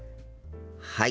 はい。